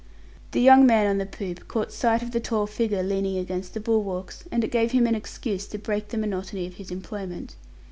The young man on the poop caught sight of the tall figure leaning against the bulwarks, and it gave him an excuse to break the monotony of his employment.